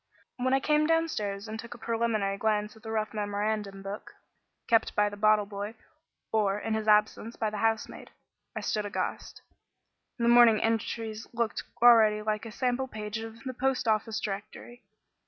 When I came downstairs and took a preliminary glance at the rough memorandum book, kept by the bottle boy, or, in his absence, by the housemaid, I stood aghast. The morning's entries looked already like a sample page of the Post Office directory.